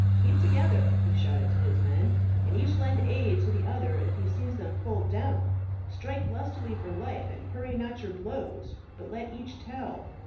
"Keep together," he shouted to his men, "and each lend aid to the other if he sees him pulled down. Strike lustily for life, and hurry not your blows, but let each tell."